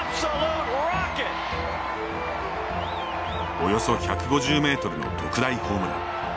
およそ１５０メートルの特大ホームラン。